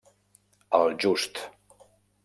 El just.